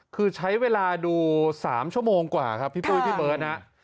คือใช้เวลาดู๓ชั่วโมงกว่าครับพี่ปุ้ยพี่เบิร์ตนะ